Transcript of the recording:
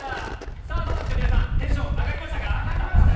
さあ、どうですか、皆さん、テンション、上がりましたか？